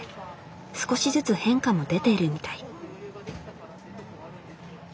少しずつ変化も出てるみたい。